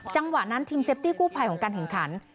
จังหวะนั้นทีมเซฟตี้กู้ภัยของการแข่งขัน